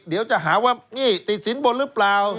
เดี๋ยวจะหาว่านี่ติดสินบนหรือเปล่า